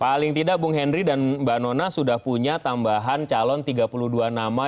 paling tidak bung henry dan mbak nona sudah punya tambahan calon tiga puluh dua nama